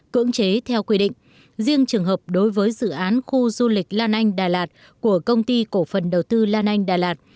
cưỡng chế theo quy định riêng trường hợp đối với dự án khu du lịch lan anh đà lạt của công ty cổ phần đầu tư lan anh đà lạt